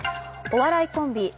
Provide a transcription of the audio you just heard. お笑いコンビ